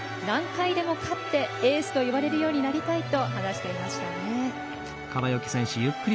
何回でも勝って、エースと言われるようになりたいと話していましたね。